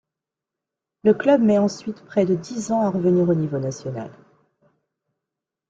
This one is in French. Le club met ensuite près de dix ans à revenir au niveau national.